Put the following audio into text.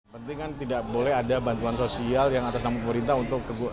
penting kan tidak boleh ada bantuan sosial yang atas nama pemerintah untuk